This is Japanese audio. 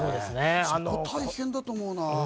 そこ大変だと思うな。